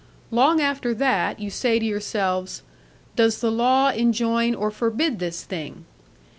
Long after that, you say to yourselves, "does the law enjoin or forbid this thing?"